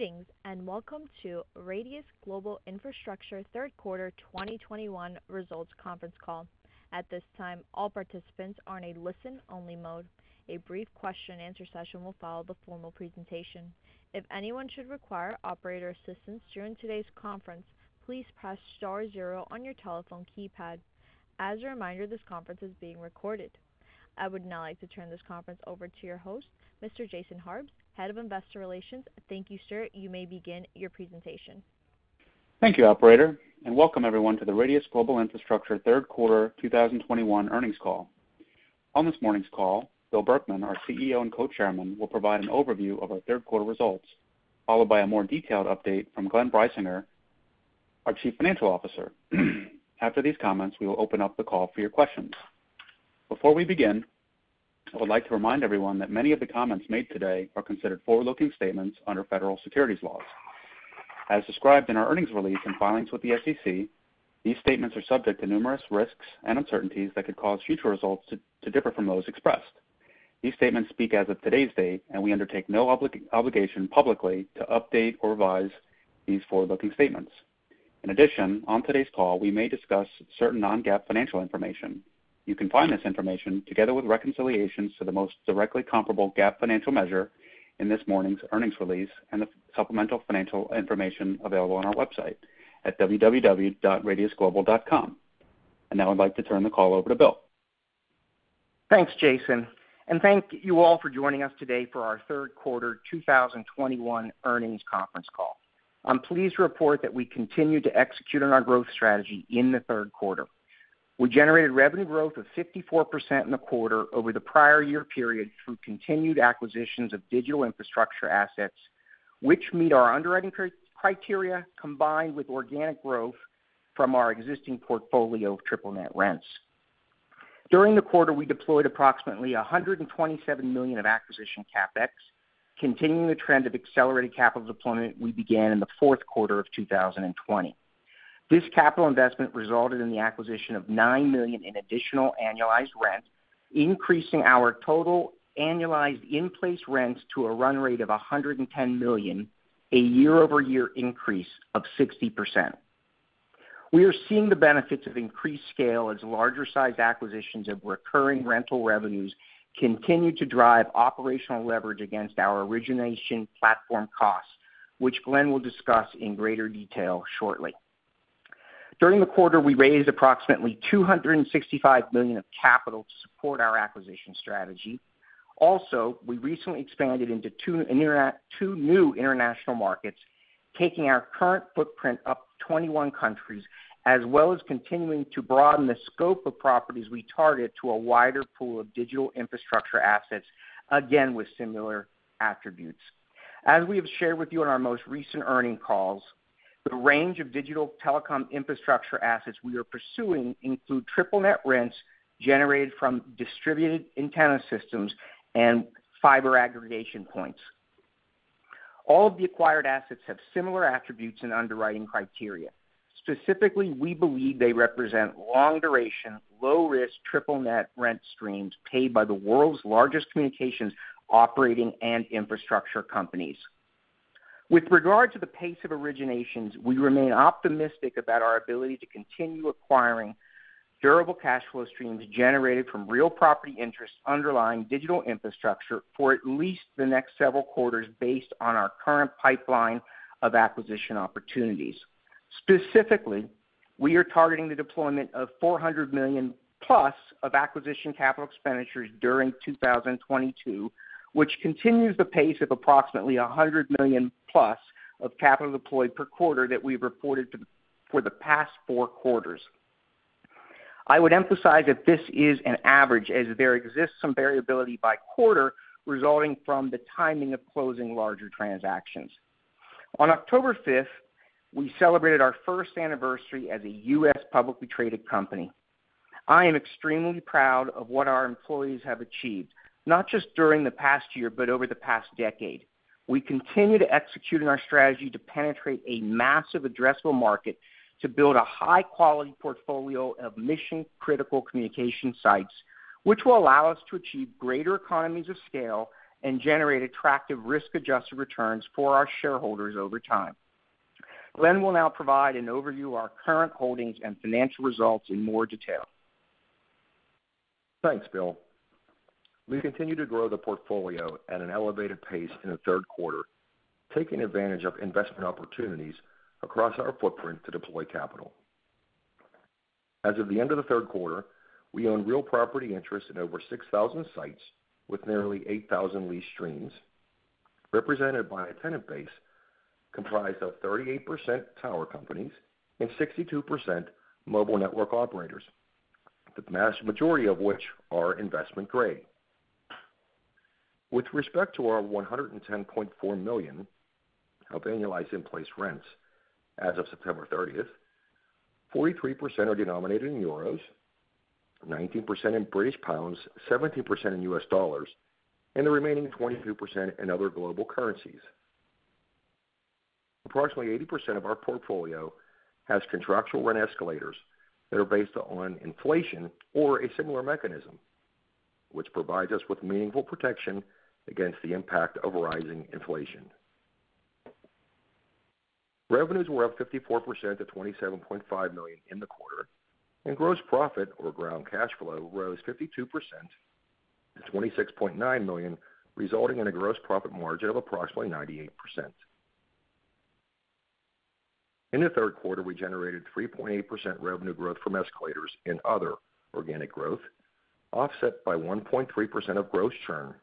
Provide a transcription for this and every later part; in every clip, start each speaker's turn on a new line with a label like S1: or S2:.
S1: Greetings, and welcome to Radius Global Infrastructure third quarter 2021 results conference call. At this time, all participants are in a listen-only mode. A brief question answer session will follow the formal presentation. If anyone should require operator assistance during today's conference, please press star zero on your telephone keypad. As a reminder, this conference is being recorded. I would now like to turn this conference over to your host, Mr. Jason Harbes, Head of Investor Relations. Thank you, sir. You may begin your presentation.
S2: Thank you, operator, and welcome everyone to the Radius Global Infrastructure third quarter 2021 earnings call. On this morning's call, Bill Berkman, our CEO and Co-Chairman, will provide an overview of our third quarter results, followed by a more detailed update from Glenn Breisinger, our Chief Financial Officer. After these comments, we will open up the call for your questions. Before we begin, I would like to remind everyone that many of the comments made today are considered forward-looking statements under federal securities laws. As described in our earnings release and filings with the SEC, these statements are subject to numerous risks and uncertainties that could cause future results to differ from those expressed. These statements speak as of today's date, and we undertake no obligation publicly to update or revise these forward-looking statements. In addition, on today's call, we may discuss certain non-GAAP financial information. You can find this information, together with reconciliations to the most directly comparable GAAP financial measure in this morning's earnings release and the supplemental financial information available on our website at www.radiusglobal.com. Now I'd like to turn the call over to Bill.
S3: Thanks, Jason, and thank you all for joining us today for our third quarter 2021 earnings conference call. I'm pleased to report that we continued to execute on our growth strategy in the third quarter. We generated revenue growth of 54% in the quarter over the prior year period through continued acquisitions of digital infrastructure assets, which meet our underwriting criteria combined with organic growth from our existing portfolio of triple net rents. During the quarter, we deployed approximately $127 million of Acquisition CapEx, continuing the trend of accelerated capital deployment we began in the fourth quarter of 2020. This capital investment resulted in the acquisition of $9 million in additional annualized rent, increasing our total Annualized In-Place Rents to a run rate of $110 million, a year-over-year increase of 60%. We are seeing the benefits of increased scale as larger-sized acquisitions of recurring rental revenues continue to drive operational leverage against our origination platform costs, which Glenn will discuss in greater detail shortly. During the quarter, we raised approximately $265 million of capital to support our acquisition strategy. Also, we recently expanded into two new international markets, taking our current footprint up to 21 countries, as well as continuing to broaden the scope of properties we target to a wider pool of digital infrastructure assets, again, with similar attributes. As we have shared with you on our most recent earnings calls, the range of digital telecom infrastructure assets we are pursuing include triple net rents generated from distributed antenna systems and fiber aggregation points. All of the acquired assets have similar attributes and underwriting criteria. Specifically, we believe they represent long duration, low risk, triple net rent streams paid by the world's largest communications operating and infrastructure companies. With regard to the pace of originations, we remain optimistic about our ability to continue acquiring durable cash flow streams generated from Real Property Interests underlying digital infrastructure for at least the next several quarters based on our current pipeline of acquisition opportunities. Specifically, we are targeting the deployment of $400 million plus of acquisition capital expenditures during 2022, which continues the pace of approximately $100 million plus of capital deployed per quarter that we've reported for the past four quarters. I would emphasize that this is an average as there exists some variability by quarter resulting from the timing of closing larger transactions. On October 5th, we celebrated our first anniversary as a U.S. publicly traded company. I am extremely proud of what our employees have achieved, not just during the past year, but over the past decade. We continue to execute on our strategy to penetrate a massive addressable market to build a high-quality portfolio of mission-critical communication sites, which will allow us to achieve greater economies of scale and generate attractive risk-adjusted returns for our shareholders over time. Glenn will now provide an overview of our current holdings and financial results in more detail.
S4: Thanks, Bill. We continued to grow the portfolio at an elevated pace in the third quarter, taking advantage of investment opportunities across our footprint to deploy capital. As of the end of the third quarter, we own Real Property Interests in over 6,000 sites with nearly 8,000 lease streams, represented by a tenant base comprised of 38% tower companies and 62% mobile network operators, the vast majority of which are investment grade. With respect to our $110.4 million of Annualized In-Place Rents as of September 30th, 43% are denominated in euros, 19% in British pounds, 17% in U.S. dollars, and the remaining 22% in other global currencies. Approximately 80% of our portfolio has contractual rent escalators that are based on inflation or a similar mechanism, which provides us with meaningful protection against the impact of rising inflation. Revenues were up 54% to $27.5 million in the quarter, and gross profit or ground cash flow rose 52% to $26.9 million, resulting in a gross profit margin of approximately 98%. In the third quarter, we generated 3.8% revenue growth from escalators and other organic growth, offset by 1.3% of gross churn,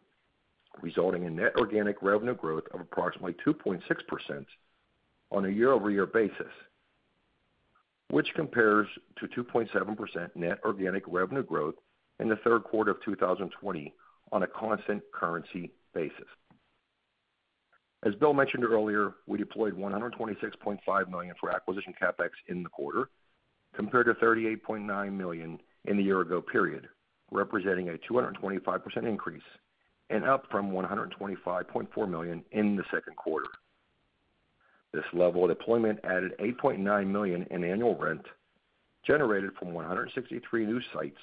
S4: resulting in net organic revenue growth of approximately 2.6% on a year-over-year basis, which compares to 2.7% net organic revenue growth in the third quarter of 2020 on a constant currency basis. As Bill mentioned earlier, we deployed $126.5 million for Acquisition CapEx in the quarter compared to $38.9 million in the year ago period, representing a 225% increase and up from $125.4 million in the second quarter. This level of deployment added $8.9 million in annual rent generated from 163 new sites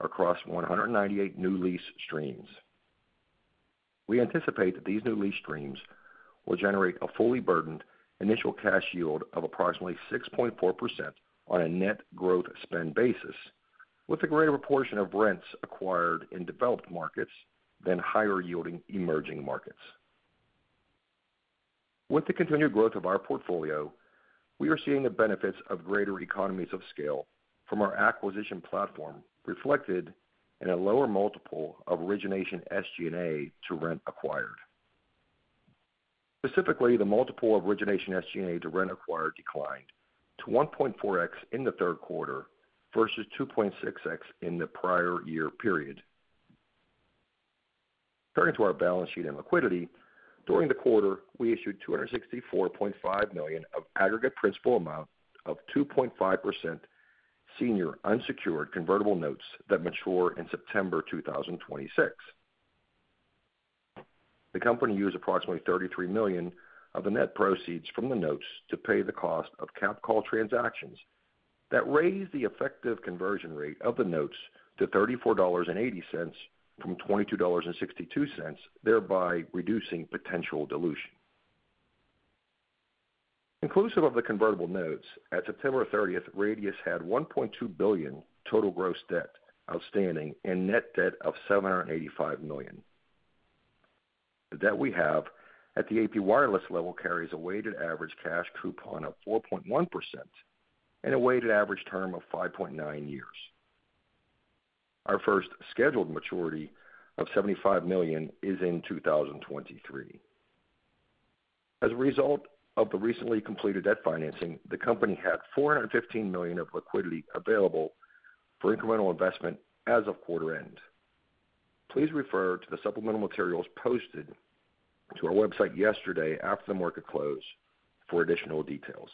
S4: across 198 new lease streams. We anticipate that these new lease streams will generate a fully burdened initial cash yield of approximately 6.4% on a net growth spend basis, with a greater proportion of rents acquired in developed markets than higher yielding emerging markets. With the continued growth of our portfolio, we are seeing the benefits of greater economies of scale from our acquisition platform reflected in a lower multiple of origination SG&A to rent acquired. Specifically, the multiple of origination SG&A to rent acquired declined to 1.4x in the third quarter versus 2.6x in the prior year period. Turning to our balance sheet and liquidity, during the quarter, we issued $264.5 million of aggregate principal amount of 2.5% senior unsecured convertible notes that mature in September 2026. The company used approximately $33 million of the net proceeds from the notes to pay the cost of capped call transactions that raise the effective conversion rate of the notes to $34.80 from $22.62, thereby reducing potential dilution. Inclusive of the convertible notes, at September 30th, Radius had $1.2 billion total gross debt outstanding and net debt of $785 million. The debt we have at the AP Wireless level carries a weighted average cash coupon of 4.1% and a weighted average term of 5.9 years. Our first scheduled maturity of $75 million is in 2023. As a result of the recently completed debt financing, the company had $415 million of liquidity available for incremental investment as of quarter end. Please refer to the supplemental materials posted to our website yesterday after the market close for additional details.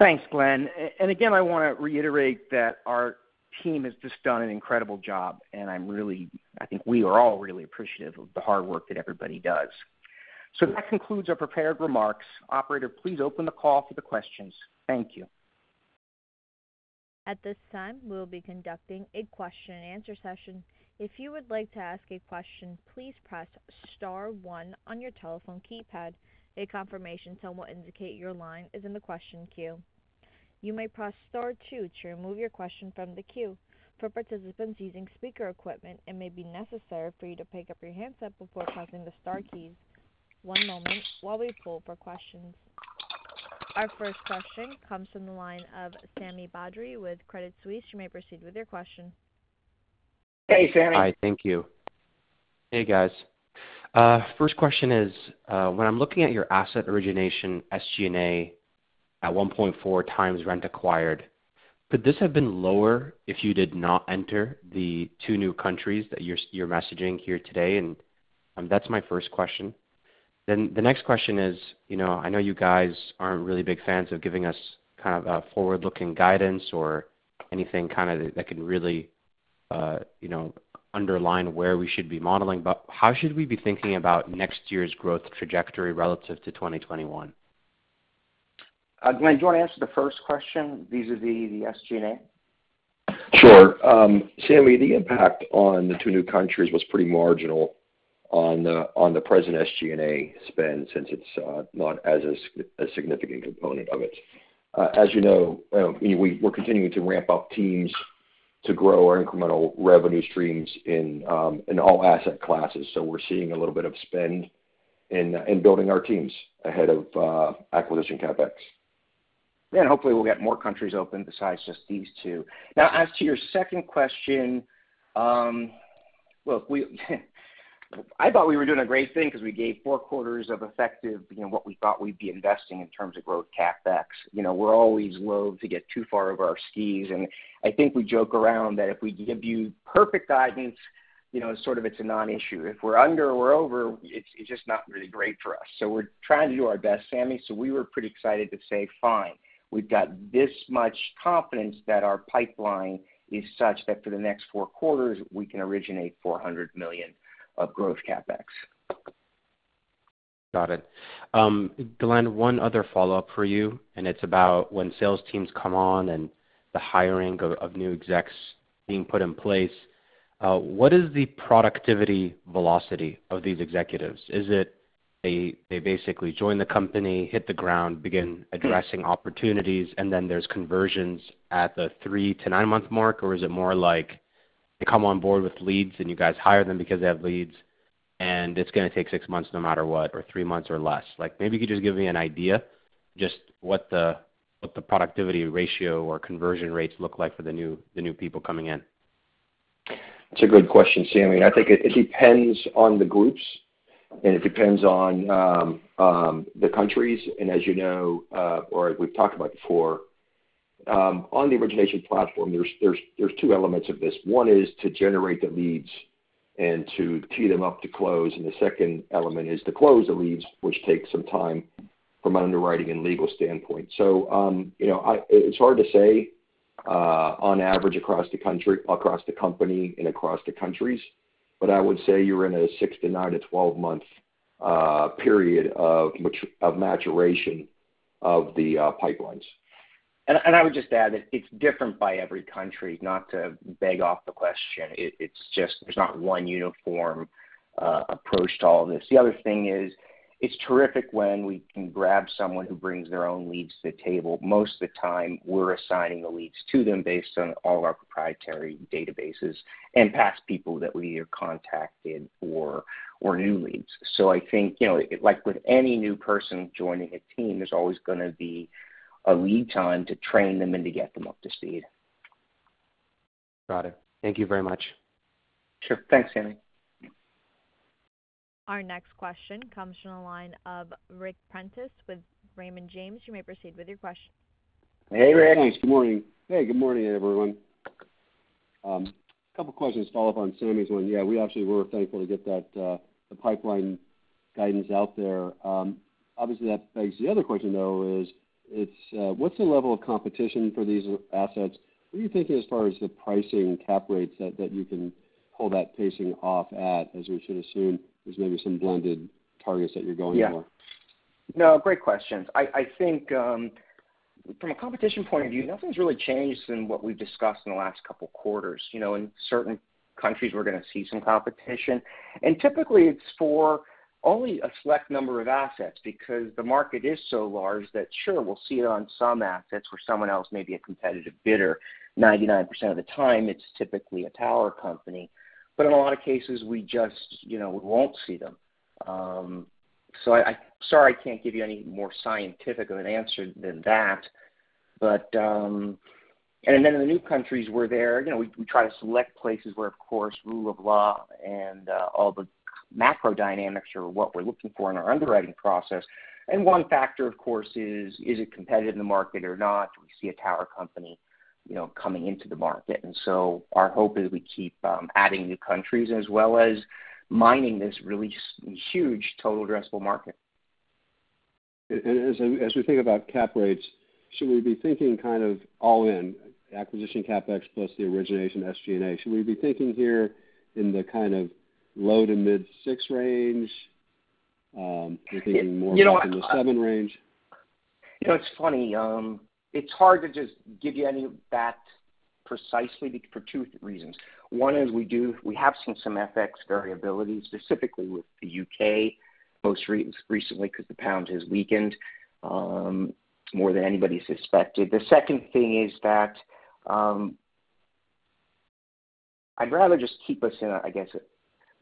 S4: Bill?
S3: Thanks, Glenn. Again, I wanna reiterate that our team has just done an incredible job, and I'm really, I think we are all really appreciative of the hard work that everybody does. That concludes our prepared remarks. Operator, please open the call for the questions. Thank you.
S1: At this time, we will be conducting a question and answer session. If you would like to ask a question, please press star one on your telephone keypad. A confirmation tone will indicate your line is in the question queue. You may press star two to remove your question from the queue. For participants using speaker equipment, it may be necessary for you to pick up your handset before pressing the star keys. One moment while we pull for questions. Our first question comes from the line of Sami Badri with Credit Suisse. You may proceed with your question.
S3: Hey, Sami.
S5: Hi. Thank you. Hey, guys. First question is, when I'm looking at your asset origination SG&A at 1.4x rent acquired, could this have been lower if you did not enter the two new countries that you're messaging here today? That's my first question. The next question is, you know, I know you guys aren't really big fans of giving us kind of a forward-looking guidance or anything kinda that can really, you know, underline where we should be modeling, but how should we be thinking about next year's growth trajectory relative to 2021?
S3: Glenn, do you wanna answer the first question vis-à-vis the SG&A?
S4: Sure. Sami, the impact on the two new countries was pretty marginal on the present SG&A spend since it's not such a significant component of it. As you know, we're continuing to ramp up teams to grow our incremental revenue streams in all asset classes. We're seeing a little bit of spend in building our teams ahead of Acquisition CapEx.
S3: Yeah, hopefully we'll get more countries open besides just these two. Now as to your second question, look, I thought we were doing a great thing 'cause we gave four quarters of effective, you know, what we thought we'd be investing in terms of growth CapEx. You know, we're always loathe to get too far over our skis, and I think we joke around that if we give you perfect guidance, you know, sort of it's a non-issue. If we're under or over, it's just not really great for us. We're trying to do our best, Sami. We were pretty excited to say, fine, we've got this much confidence that our pipeline is such that for the next four quarters we can originate $400 million of growth CapEx.
S5: Got it. Glenn, one other follow-up for you, and it's about when sales teams come on and the hiring of new execs being put in place. What is the productivity velocity of these executives? Is it they basically join the company, hit the ground, begin addressing opportunities, and then there's conversions at the three to nine-month mark? Or is it more like they come on board with leads, and you guys hire them because they have leads, and it's gonna take six months no matter what, or three months or less? Like, maybe you could just give me an idea just what the productivity ratio or conversion rates look like for the new people coming in?
S4: That's a good question, Sami. I think it depends on the groups, and it depends on the countries. As you know, or as we've talked about before, on the origination platform, there are two elements of this. One is to generate the leads and to tee them up to close, and the second element is to close the leads, which takes some time from an underwriting and legal standpoint. You know, it's hard to say on average across the company and across the countries, but I would say you're in a six to nine to 12-month period of maturation of the pipelines.
S3: I would just add that it's different by every country, not to beg off the question. It's just there's not one uniform approach to all of this. The other thing is it's terrific when we can grab someone who brings their own leads to the table. Most of the time, we're assigning the leads to them based on all of our proprietary databases and past people that we have contacted or new leads. I think, you know, like with any new person joining a team, there's always gonna be a lead time to train them and to get them up to speed.
S5: Got it. Thank you very much.
S3: Sure. Thanks, Sami.
S1: Our next question comes from the line of Ric Prentiss with Raymond James. You may proceed with your question.
S3: Hey, Ric.
S6: Thanks. Good morning. Hey, good morning, everyone. A couple questions to follow up on Sami's one. Yeah, we actually were thankful to get that, the pipeline guidance out there. Obviously, that begs the other question, though, is what's the level of competition for these assets? What are you thinking as far as the pricing cap rates that you can pull that pacing off at, as we should assume there's maybe some blended targets that you're going for?
S3: Yeah. No, great questions. I think from a competition point of view, nothing's really changed in what we've discussed in the last couple quarters. You know, in certain countries, we're gonna see some competition. Typically, it's for only a select number of assets because the market is so large that sure, we'll see it on some assets where someone else may be a competitive bidder. 99% of the time, it's typically a tower company. In a lot of cases, we just, you know, won't see them. So, sorry, I can't give you any more scientific of an answer than that, but. Then in the new countries we're there, you know, we try to select places where, of course, rule of law and all the macro dynamics are what we're looking for in our underwriting process. One factor, of course, is it competitive in the market or not? Do we see a tower company, you know, coming into the market? Our hope is we keep adding new countries as well as mining this really so huge total addressable market.
S6: We think about cap rates, should we be thinking kind of all in, Acquisition CapEx plus the origination SG&A? Should we be thinking here in the kind of low-to-mid 6% range? Are we thinking more like in the 7% range?
S3: You know, it's funny. It's hard to just give you any of that precisely for two reasons. One is we have seen some FX variability, specifically with the U.K. most recently because the pound has weakened more than anybody suspected. The second thing is that I'd rather just keep us in a, I guess,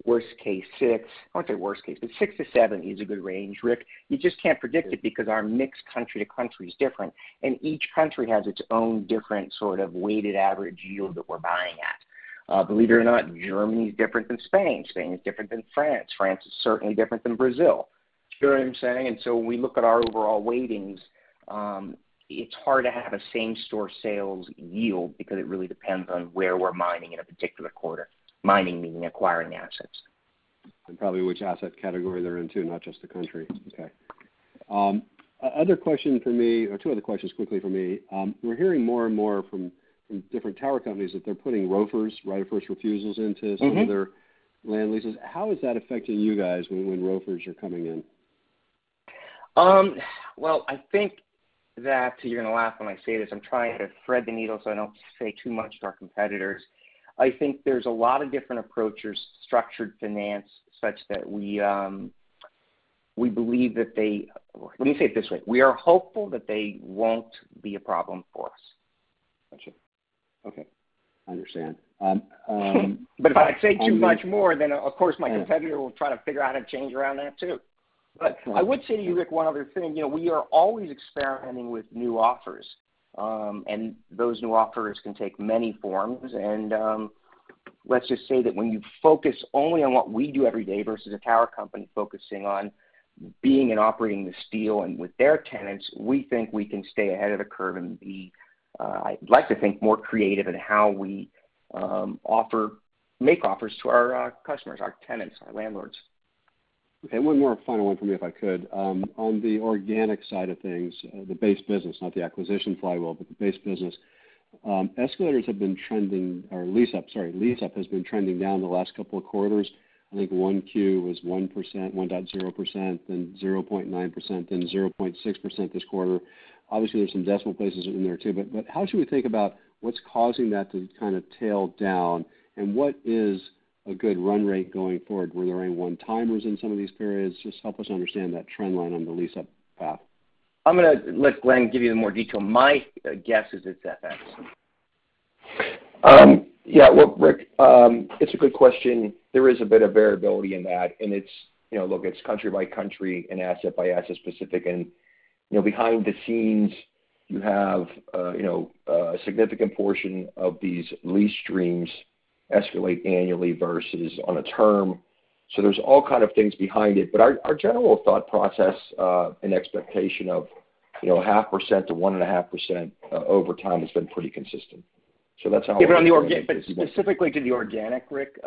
S3: worst case 6%. I won't say worst case, but 6%-7% is a good range, Ric. You just can't predict it because our mix, country to country, is different, and each country has its own different sort of weighted average yield that we're buying at. Believe it or not, Germany is different than Spain. Spain is different than France. France is certainly different than Brazil. You know what I'm saying? When we look at our overall weightings, it's hard to have a same store sales yield because it really depends on where we're mining in a particular quarter, mining meaning acquiring the assets.
S6: Probably which asset category they're in, too, not just the country. Okay. Another question for me, or two other questions quickly for me. We're hearing more and more from different tower companies that they're putting ROFRs, right of first refusals, into some of their land leases.
S3: Mm-hmm.
S6: How is that affecting you guys when ROFRs are coming in?
S3: Well, I think that you're gonna laugh when I say this. I'm trying to thread the needle so I don't say too much to our competitors. I think there's a lot of different approaches. Structured finance such that we- Let me say it this way, we are hopeful that they won't be a problem for us.
S6: Got you. Okay. I understand.
S3: If I say too much more, then, of course, my competitor will try to figure out and change around that, too.
S6: Right.
S3: I would say to you, Ric, one other thing, you know, we are always experimenting with new offers, and those new offers can take many forms. Let's just say that when you focus only on what we do every day versus a tower company focusing on being and operating the steel and with their tenants, we think we can stay ahead of the curve and be, I'd like to think, more creative in how we make offers to our customers, our tenants, our landlords.
S6: One more final one for me, if I could. On the organic side of things, the base business, not the acquisition flywheel, but the base business. Lease-up has been trending down the last couple of quarters. I think 1Q was 1%, 1.0%, then 0.9%, then 0.6% this quarter. Obviously, there's some decimal places in there, too. How should we think about what's causing that to kind of tail down? What is a good run rate going forward? Were there any one-timers in some of these periods? Just help us understand that trend line on the lease-up path.
S3: I'm gonna let Glenn give you the more detail. My guess is it's FX.
S4: Well, Ric, it's a good question. There is a bit of variability in that, and it's, you know, look, it's country by country and asset by asset specific. You know, behind the scenes, you have, you know, a significant portion of these lease streams escalate annually versus on a term. There's all kind of things behind it. Our general thought process and expectation of, you know, 0.5%-1.5% over time has been pretty consistent. That's how
S3: Yeah, but specifically to the organic, Ric.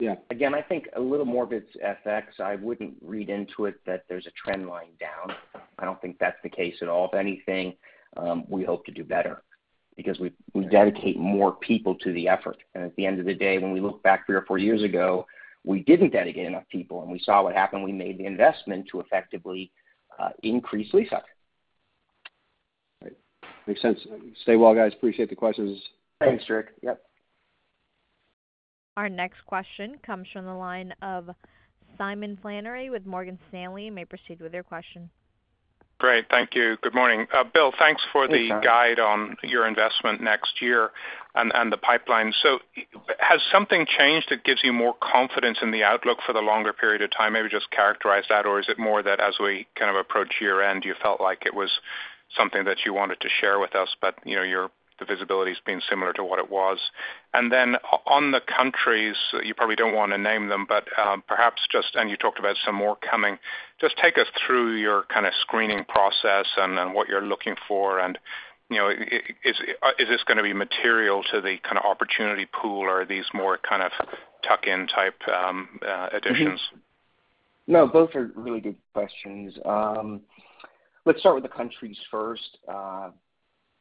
S6: Yeah.
S3: Again, I think a little more of it's FX. I wouldn't read into it that there's a trend line down. I don't think that's the case at all. If anything, we hope to do better because we dedicate more people to the effort. At the end of the day, when we look back three or four years ago, we didn't dedicate enough people, and we saw what happened. We made the investment to effectively increase lease-up.
S6: Great. Makes sense. Stay well, guys. Appreciate the questions.
S3: Thanks, Ric. Yep.
S1: Our next question comes from the line of Simon Flannery with Morgan Stanley. You may proceed with your question.
S7: Great. Thank you. Good morning. Bill, thanks for the-
S3: Hey, Simon.
S7: Guide on your investment next year and the pipeline. Has something changed that gives you more confidence in the outlook for the longer period of time? Maybe just characterize that, or is it more that as we kind of approach year-end, you felt like it was something that you wanted to share with us, but you know, the visibility's been similar to what it was. Then on the countries, you probably don't wanna name them, but perhaps just, you talked about some more coming, just take us through your kind of screening process and what you're looking for. You know, is this gonna be material to the kind of opportunity pool, or are these more kind of tuck-in type additions?
S3: No, both are really good questions. Let's start with the countries first.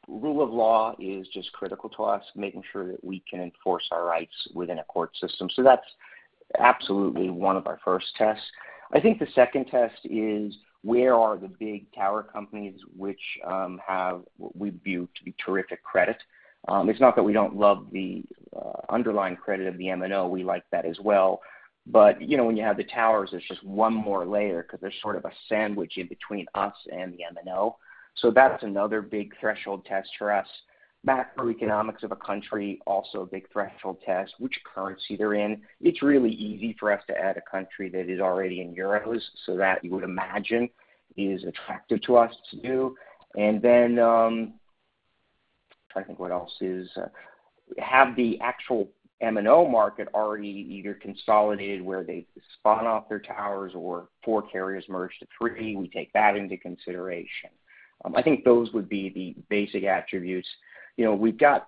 S3: Rule of law is just critical to us, making sure that we can enforce our rights within a court system. That's absolutely one of our first tests. I think the second test is where are the big tower companies which have what we view to be terrific credit? It's not that we don't love the underlying credit of the MNO. We like that as well. You know, when you have the towers, there's just one more layer because there's sort of a sandwich in between us and the MNO. That's another big threshold test for us. Macroeconomics of a country, also a big threshold test, which currency they're in. It's really easy for us to add a country that is already in euros, so that you would imagine is attractive to us to do. Trying to think what else has the actual MNO market already either consolidated, where they spun off their towers or four carriers merged to three. We take that into consideration. I think those would be the basic attributes. You know,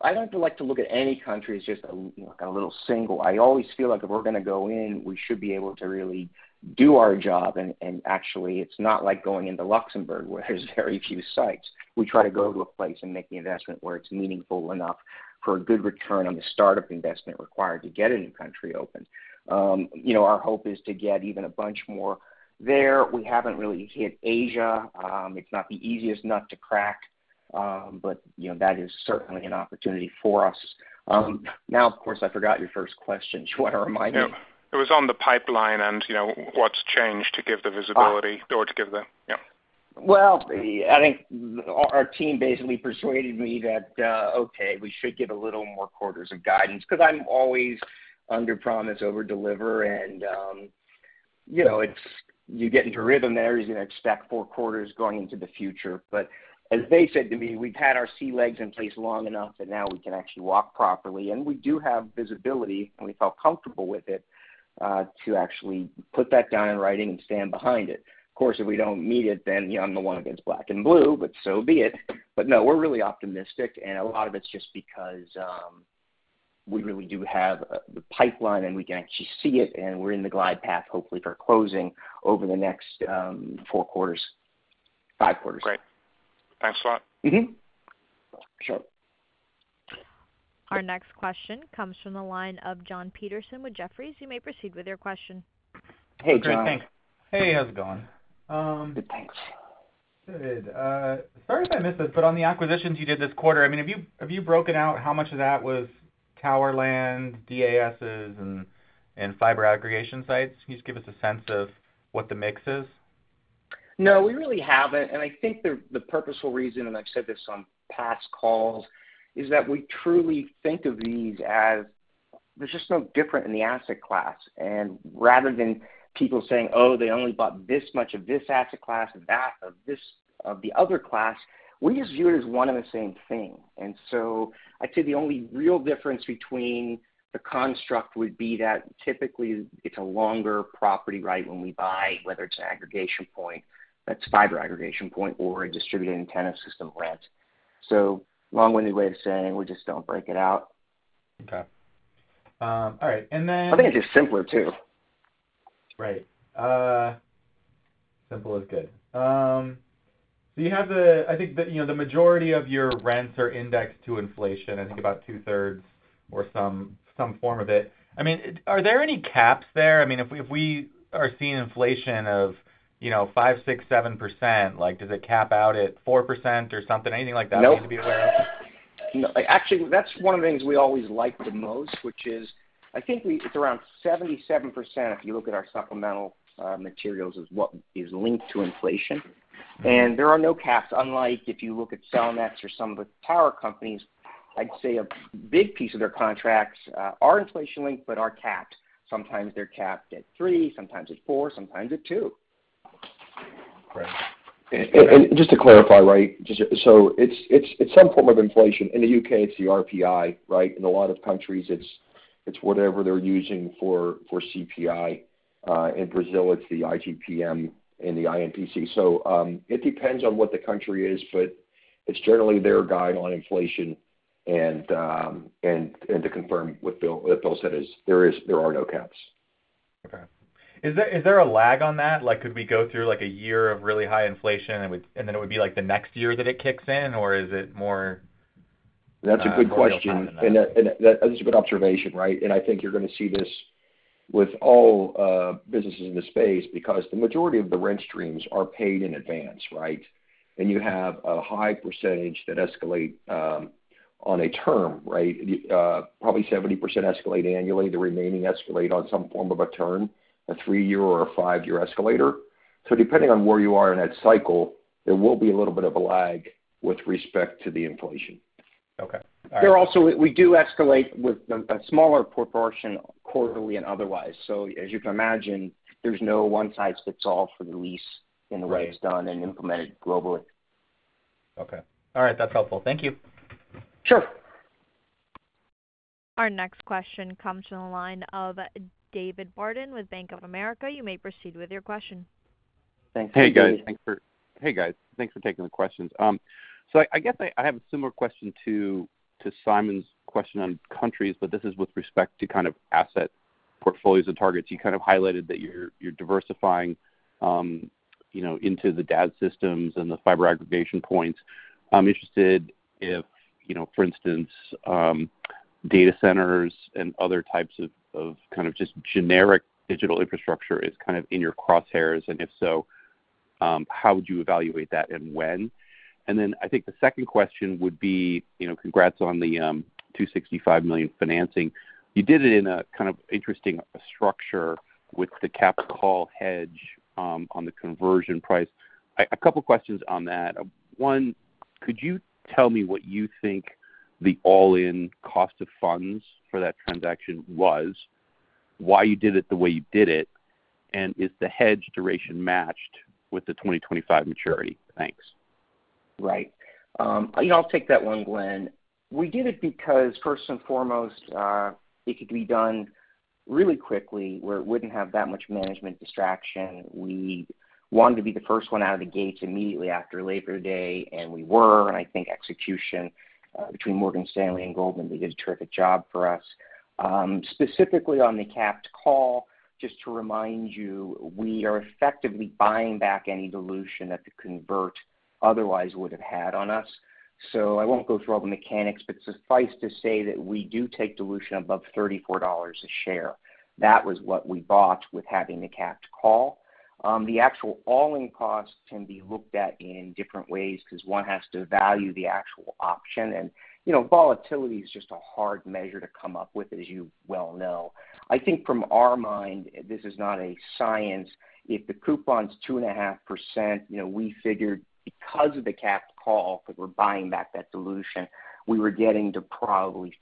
S3: I don't like to look at any country as just a, you know, a little single. I always feel like if we're gonna go in, we should be able to really do our job. Actually, it's not like going into Luxembourg, where there's very few sites. We try to go to a place and make the investment where it's meaningful enough for a good return on the startup investment required to get a new country open. You know, our hope is to get even a bunch more there. We haven't really hit Asia. It's not the easiest nut to crack, but you know, that is certainly an opportunity for us. Now, of course, I forgot your first question. Do you wanna remind me?
S7: Yeah. It was on the pipeline, and, you know, what's changed to give the visibility?
S3: Ah.
S7: Yeah.
S3: Well, I think our team basically persuaded me that, okay, we should give a little more quarters of guidance because I'm always under promise, over deliver. You know, it's you get into a rhythm there. You're gonna expect four quarters going into the future. As they said to me, we've had our sea legs in place long enough, and now we can actually walk properly. We do have visibility, and we felt comfortable with it, to actually put that down in writing and stand behind it. Of course, if we don't meet it, then I'm the one against black and blue, but so be it. No, we're really optimistic, and a lot of it's just because we really do have the pipeline, and we can actually see it, and we're in the glide path, hopefully, for closing over the next four quarters, five quarters.
S7: Great. Thanks a lot.
S3: Mm-hmm. Sure.
S1: Our next question comes from the line of Jon Petersen with Jefferies. You may proceed with your question.
S3: Hey, Jon.
S8: Great. Thanks. Hey, how's it going?
S3: Good, thanks.
S8: Good. Sorry if I missed this, but on the acquisitions you did this quarter, I mean, have you broken out how much of that was tower land, DASs and fiber aggregation sites? Can you just give us a sense of what the mix is?
S3: No, we really haven't. I think the purposeful reason, and I've said this on past calls, is that we truly think of these as there's just no different in the asset class. Rather than people saying, "Oh, they only bought this much of this asset class and that of this, of the other class," we just view it as one and the same thing. I'd say the only real difference between the construct would be that typically it's a longer property right when we buy, whether it's an aggregation point, that's fiber aggregation point or a distributed antenna system rent. Long-winded way of saying we just don't break it out.
S8: Okay. All right.
S3: I think it's just simpler too.
S8: Right. Simple is good. I think the, you know, the majority of your rents are indexed to inflation, I think about 2/3 or some form of it. I mean, are there any caps there? I mean, if we are seeing inflation of, you know, 5%, 6%, 7%, like, does it cap out at 4% or something? Anything like that?
S3: Nope
S8: We need to be aware of?
S3: No. Actually, that's one of the things we always like the most, which is I think it's around 77%, if you look at our supplemental materials, is what is linked to inflation. There are no caps. Unlike if you look at Cellnex or some of the tower companies, I'd say a big piece of their contracts are inflation-linked but are capped. Sometimes they're capped at 3%, sometimes it's 4%, sometimes at 2%.
S8: Right.
S4: Just to clarify, right? Just so it's some form of inflation. In the U.K., it's the RPI, right? In a lot of countries, it's whatever they're using for CPI. In Brazil, it's the IGPM and the INPC. It depends on what the country is, but it's generally their guide on inflation and to confirm what Bill said, there are no caps.
S8: Okay. Is there a lag on that? Like, could we go through, like, a year of really high inflation, and then it would be, like, the next year that it kicks in? Or is it more?
S4: That's a good question.
S8: -more real-time than that?
S4: That is a good observation, right? I think you're gonna see this with all businesses in the space because the majority of the rent streams are paid in advance, right? You have a high percentage that escalate on a term, right? Probably 70% escalate annually. The remaining escalate on some form of a term, a three-year or a five-year escalator. Depending on where you are in that cycle, there will be a little bit of a lag with respect to the inflation.
S8: Okay. All right.
S3: We do escalate with a smaller proportion quarterly and otherwise. As you can imagine, there's no one-size-fits-all for the lease-
S8: Right
S3: In the way it's done and implemented globally.
S8: Okay. All right. That's helpful. Thank you.
S3: Sure.
S1: Our next question comes from the line of David Barden with Bank of America. You may proceed with your question.
S3: Hey, David.
S9: Hey, guys. Thanks for taking the questions. I guess I have a similar question to Simon's question on countries, but this is with respect to kind of asset portfolios and targets. You kind of highlighted that you're diversifying, you know, into the DAS and the fiber aggregation points. I'm interested if, you know, for instance, data centers and other types of kind of just generic digital infrastructure is kind of in your crosshairs. And if so, how would you evaluate that and when? I think the second question would be, you know, congrats on the $265 million financing. You did it in a kind of interesting structure with the capped call hedge on the conversion price. A couple questions on that. One, could you tell me what you think the all-in cost of funds for that transaction was, why you did it the way you did it, and is the hedge duration matched with the 2025 maturity? Thanks.
S3: Right. You know, I'll take that one, Glenn. We did it because first and foremost, it could be done really quickly, where it wouldn't have that much management distraction. We wanted to be the first one out of the gates immediately after Labor Day, and we were. I think execution between Morgan Stanley and Goldman, they did a terrific job for us. Specifically on the capped call, just to remind you, we are effectively buying back any dilution that the convert otherwise would have had on us. I won't go through all the mechanics, but suffice to say that we do take dilution above $34 a share. That was what we bought with having the capped call. The actual all-in cost can be looked at in different ways 'cause one has to value the actual option. You know, volatility is just a hard measure to come up with, as you well know. I think from our mind, this is not a science. If the coupon's 2.5%, you know, we figured because of the capped call that we're buying back that dilution, we were getting to probably,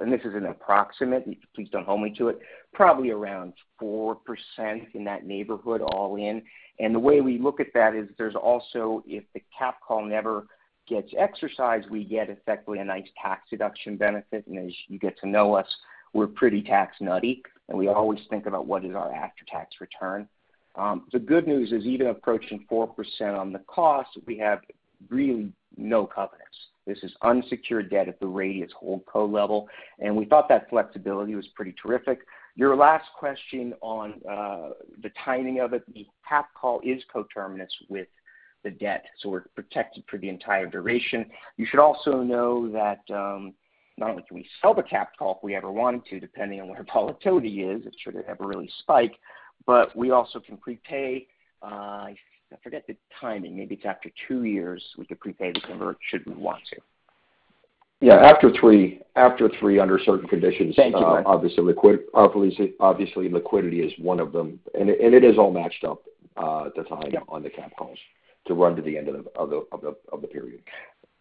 S3: and this is an approximate, please don't hold me to it, probably around 4% in that neighborhood all in. The way we look at that is there's also, if the capped call never gets exercised, we get effectively a nice tax deduction benefit. As you get to know us, we're pretty tax nutty, and we always think about what is our after-tax return. The good news is even approaching 4% on the cost, we have really no covenants. This is unsecured debt at the Radius holdco level, and we thought that flexibility was pretty terrific. Your last question on the timing of it, the capped call is coterminous with the debt, so we're protected for the entire duration. You should also know that not only can we sell the capped call if we ever wanted to, depending on where volatility is, it should ever really spike, but we also can prepay, I forget the timing. Maybe it's after two years we could prepay the convert should we want to.
S4: Yeah. After three, under certain conditions.
S3: Thank you.
S4: Obviously liquidity is one of them. It is all matched up at the time-
S3: Yeah
S4: -on the capped calls to run to the end of the period.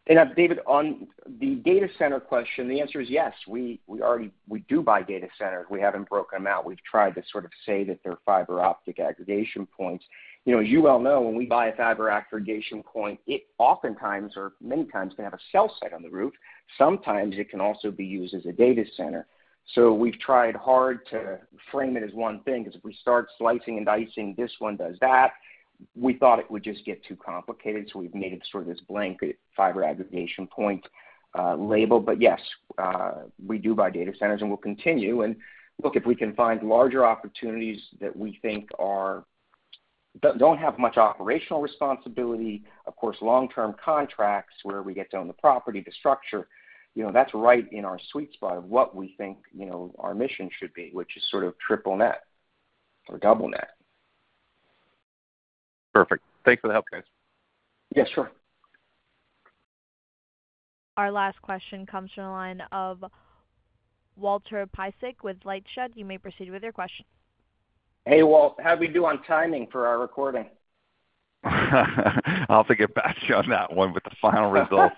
S3: David, on the data center question, the answer is yes. We already do buy data centers. We haven't broken them out. We've tried to sort of say that they're fiber optic aggregation points. You know, you well know, when we buy a fiber aggregation point, it oftentimes or many times can have a cell site on the roof. Sometimes it can also be used as a data center. We've tried hard to frame it as one thing, 'cause if we start slicing and dicing, this one does that. We thought it would just get too complicated, so we've made it sort of this blanket fiber aggregation point label. Yes, we do buy data centers, and we'll continue. Look, if we can find larger opportunities that we think don't have much operational responsibility, of course, long-term contracts where we get to own the property, the structure, you know, that's right in our sweet spot of what we think, you know, our mission should be, which is sort of triple net or double net.
S9: Perfect. Thanks for the help, guys.
S3: Yes, sure.
S1: Our last question comes from the line of Walter Piecyk with LightShed. You may proceed with your question.
S3: Hey, Walt, how'd we do on timing for our recording?
S10: I'll have to get back to you on that one with the final results.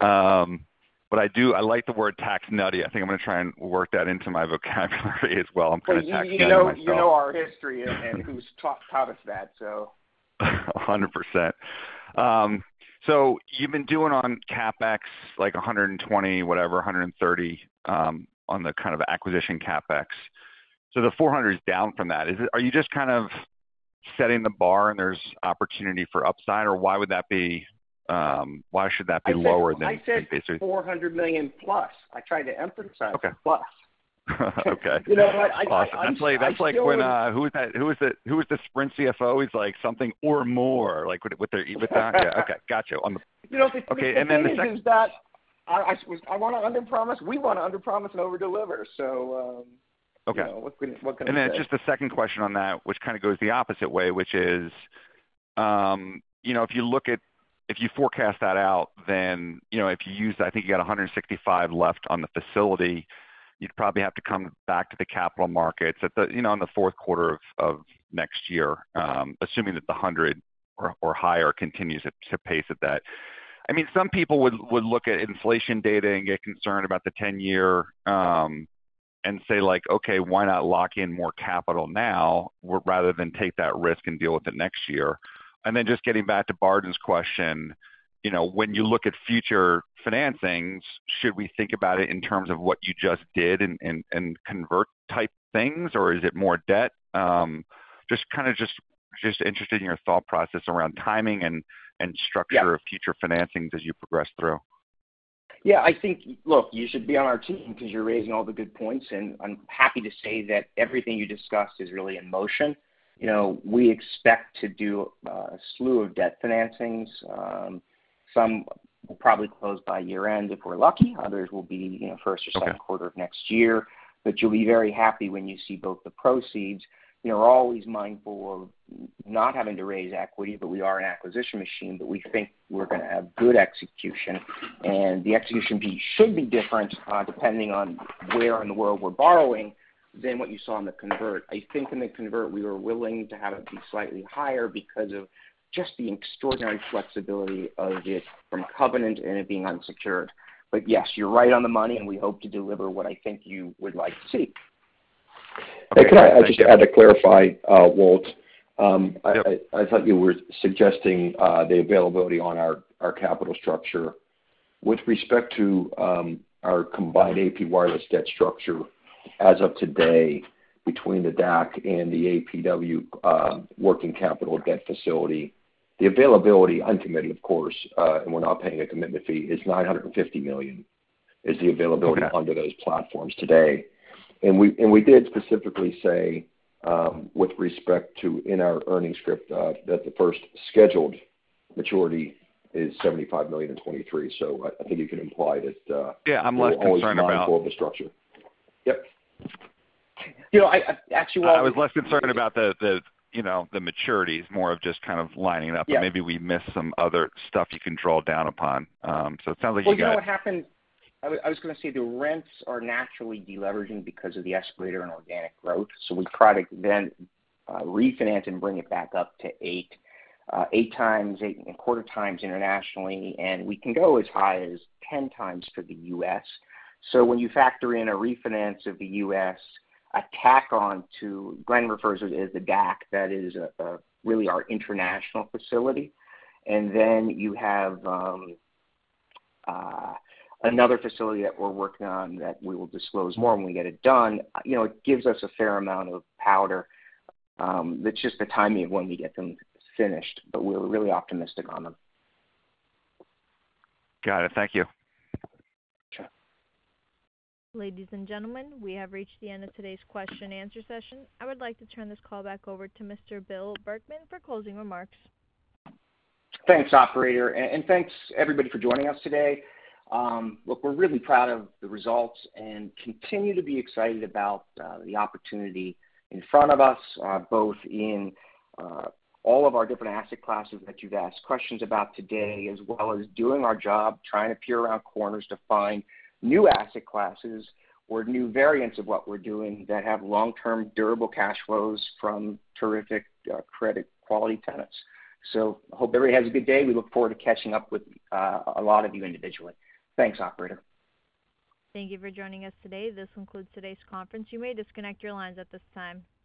S10: I like the word tax nutty. I think I'm gonna try and work that into my vocabulary as well. I'm kinda tax nutty myself.
S3: You know our history and who's taught us that, so.
S10: 100%. You've been doing on CapEx, like 120, whatever, 130, on the kind of Acquisition CapEx. The $400 million is down from that. Are you just kind of setting the bar and there's opportunity for upside? Or why would that be, why should that be lower than-
S3: I said $400 million plus. I tried to emphasize the plus.
S10: Okay. Okay.
S3: You know what? I just.
S10: Awesome. That's like when, who was the Sprint CFO? He's like, something or more, like, with their EBITDA. Yeah. Okay. Got you. On the-
S3: You know, the thing is that I want to underpromise. We want to underpromise and overdeliver.
S10: Okay.
S3: You know, what can I say?
S10: Just the second question on that, which kind of goes the opposite way, which is, you know, if you forecast that out, then, you know, if you use that, I think you got $165 left on the facility. You'd probably have to come back to the capital markets, you know, in the fourth quarter of next year, assuming that the $100 or higher continues to pace at that. I mean, some people would look at inflation data and get concerned about the 10-year, and say, like, "Okay, why not lock in more capital now rather than take that risk and deal with it next year?" Then just getting back to Barden's question, you know, when you look at future financings, should we think about it in terms of what you just did and convertible type things, or is it more debt? Just kind of interested in your thought process around timing and structure?
S3: Yeah.
S10: -of future financings as you progress through.
S3: Yeah, I think, look, you should be on our team 'cause you're raising all the good points, and I'm happy to say that everything you discussed is really in motion. You know, we expect to do a slew of debt financings. Some will probably close by year-end, if we're lucky. Others will be, you know, first or second quarter of next year. You'll be very happy when you see both the proceeds. You know, we're always mindful of not having to raise equity, but we are an acquisition machine, but we think we're gonna have good execution. The execution fee should be different, depending on where in the world we're borrowing than what you saw in the convert. I think in the convert, we were willing to have it be slightly higher because of just the extraordinary flexibility of it from covenant and it being unsecured. yes, you're right on the money, and we hope to deliver what I think you would like to see.
S10: Okay. Thanks.
S4: Can I just add to clarify, Walt? I thought you were suggesting the availability on our capital structure. With respect to our combined AP Wireless debt structure, as of today, between the DAC and the APW working capital debt facility, the availability, uncommitted of course, and we're not paying a commitment fee, is $950 million.
S10: Okay.
S4: under those platforms today. We did specifically say, with respect to in our earnings script, that the first scheduled maturity is $75 million in 2023. I think you can imply that.
S10: Yeah, I'm less concerned about.
S4: We're always mindful of the structure. Yep.
S3: You know, actually, Walter
S10: I was less concerned about the, you know, the maturities, more of just kind of lining it up.
S3: Yeah.
S10: Maybe we missed some other stuff you can draw down upon. It sounds like you got-
S3: Well, you know what happened? I was gonna say, the rents are naturally de-leveraging because of the escalator and organic growth. We try to then refinance and bring it back up to 8x, 8.25x internationally, and we can go as high as 10x for the U.S. When you factor in a refinance of the U.S., a tack-on to, Glenn refers to it as the DAC, that is really our international facility. You have another facility that we're working on that we will disclose more when we get it done. You know, it gives us a fair amount of powder. It's just the timing of when we get them finished, we're really optimistic on them.
S10: Got it. Thank you.
S3: Sure.
S1: Ladies and gentlemen, we have reached the end of today's question-and-answer session. I would like to turn this call back over to Mr. Bill Berkman for closing remarks.
S3: Thanks, operator. And thanks everybody for joining us today. Look, we're really proud of the results and continue to be excited about the opportunity in front of us, both in all of our different asset classes that you've asked questions about today, as well as doing our job, trying to peer around corners to find new asset classes or new variants of what we're doing that have long-term durable cash flows from terrific credit quality tenants. Hope everybody has a good day. We look forward to catching up with a lot of you individually. Thanks, operator.
S1: Thank you for joining us today. This concludes today's conference. You may disconnect your lines at this time.